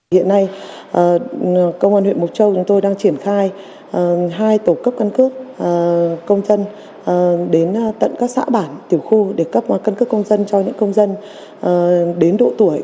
hiện nay công an huyện mộc châu chúng tôi đang triển khai hai tổ cấp căn cước công dân đến tận các xã bản tiểu khu để cấp căn cước công dân cho những công dân đến độ tuổi